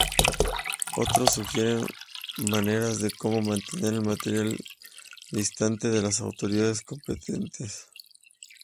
Otros sugieren maneras de como mantener el material distante de las autoridades competentes.